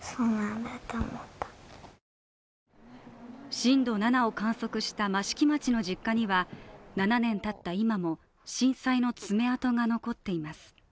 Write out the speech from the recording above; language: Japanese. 震度７を観測した益城町の実家には７年たった今も、震災の爪痕が残っています。